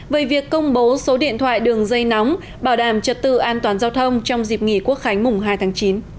về việc công bố số điện thoại đường dây nóng bảo đảm trật tự an toàn giao thông trong dịp nghỉ quốc khánh mùng hai tháng chín